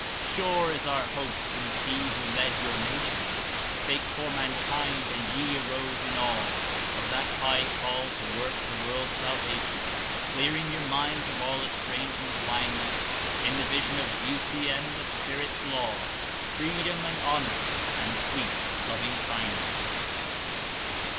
Sure is our hope since he who led your nationSpake for mankind, and ye arose in aweOf that high call to work the world's salvation; Clearing your minds of all estranging blindnessIn the vision of Beauty and the Spirit's law, Freedom and Honour and sweet Lovingkindness.